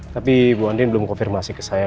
tapi ibu andin belum konfirmasi ke saya